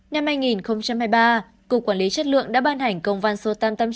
năm hai nghìn hai mươi ba cục quản lý chất lượng đã ban hành công văn số tám trăm tám mươi chín